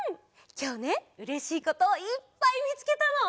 きょうねうれしいこといっぱいみつけたの。